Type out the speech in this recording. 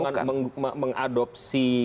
kalau pdip mengadopsi